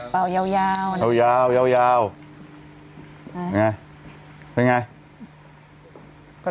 เปล่าแยว